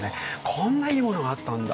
こんないいものがあったんだ！